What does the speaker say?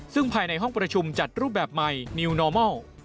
ซึ่งภายในห้องประชุมจัดรูปแบบใหม่นิวนอร์มอล